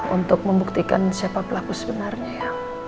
untuk membuktikan siapa pelaku sebenarnya ya